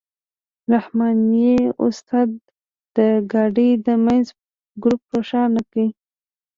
رحماني استاد د ګاډۍ د منځ ګروپ روښانه کړ.